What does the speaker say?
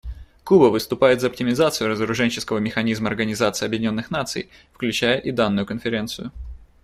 Куба выступает за оптимизацию разоруженческого механизма Организации Объединенных Наций, включая и данную Конференцию.